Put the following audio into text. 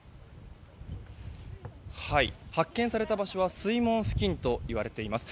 発見された場所は水門付近といわれています。